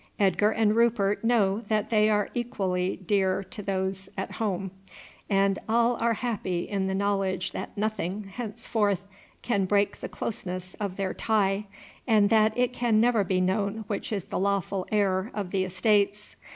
Edgar and Rupert know that they are equally dear to those at home, and all are happy in the knowledge that nothing henceforth can break the closeness of their tie, and that it can never be known which is the lawful heir of the estates.